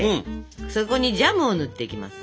そこにジャムを塗っていきます。